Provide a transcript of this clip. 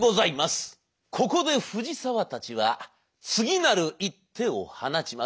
ここで藤沢たちは次なる一手を放ちます。